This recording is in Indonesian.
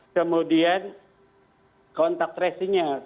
kemudian kontak resinya